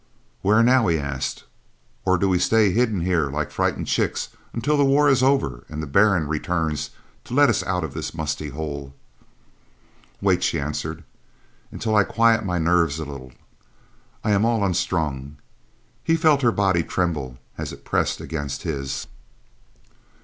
"Where now?" he asked. "Or do we stay hidden here like frightened chicks until the war is over and the Baron returns to let us out of this musty hole?" "Wait," she answered, "until I quiet my nerves a little. I am all unstrung." He felt her body tremble as it pressed against his.